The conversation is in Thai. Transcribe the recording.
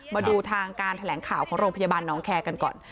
มาดูทางการแถลงข่าวของโรงพยาบาลน้องแคร์กันก่อน